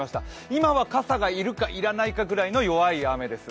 今は傘が要るか要らないぐらいの弱い雨です。